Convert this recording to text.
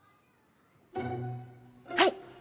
はい！